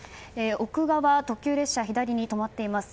奥側、特急列車左に止まっています。